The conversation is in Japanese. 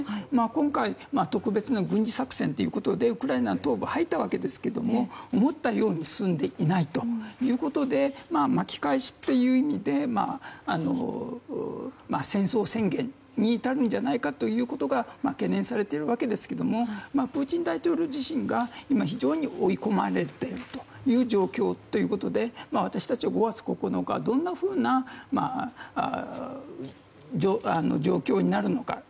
今回、特別な軍事作戦ということでウクライナ東部に入ったわけですが思ったように進んでいないということで巻き返しという意味で戦争宣言に至るんじゃないかということが懸念されているわけですがプーチン大統領自身が今、非常に追い込まれている状況ということで私たちは５月９日、ロシアがどんなふうな状況になるのか。